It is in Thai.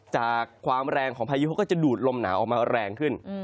จากความแรงของพายุเขาก็จะดูดลมหนาวออกมาแรงขึ้น